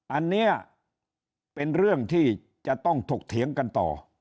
อันนี้เป็นเรื่องที่จะต้องถกเถียงกันต่อ